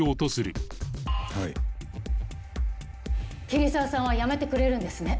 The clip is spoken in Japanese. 桐沢さんは辞めてくれるんですね？